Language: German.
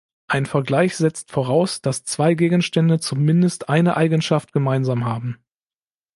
Ein Vergleich setzt voraus, dass zwei Gegenstände zumindest eine Eigenschaft gemeinsam haben.